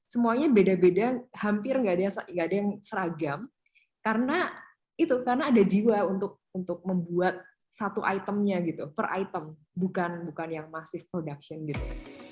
semuanya beda beda hampir nggak ada yang seragam karena itu karena ada jiwa untuk membuat satu itemnya gitu per item bukan yang masif production gitu